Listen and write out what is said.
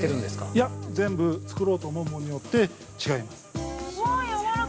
◆いや、全部、作ろうと思うものによって違います。